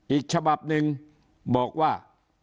อีกฉบับหนึ่งบอกว่า